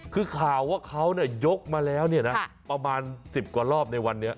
คือข่าวว่าเขายกมาแล้วประมาณ๑๐กว่ารอบในวันนี้